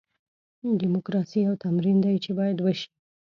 ډیموکراسي یو تمرین دی چې باید وشي.